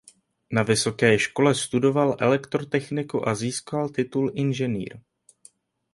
Na vysoké škole studoval elektrotechniku a získal titul inženýr.